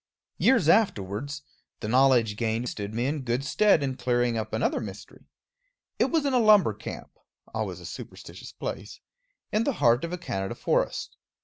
Years afterwards, the knowledge gained stood me in good stead in clearing up another mystery. It was in a lumber camp always a superstitious place in the heart of a Canada forest.